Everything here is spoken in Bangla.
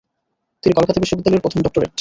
তিনি কলকাতা বিশ্ববিদ্যালয়ের প্রথম ডক্টরেট।